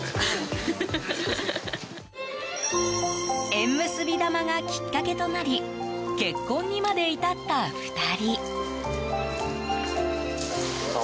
縁結び玉がきっかけとなり結婚にまで至った２人。